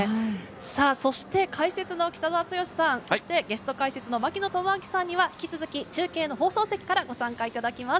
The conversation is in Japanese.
解説の北澤豪さん、ゲスト解説の槙野智章さんには引き続き、中継の放送席からご参加いただきます。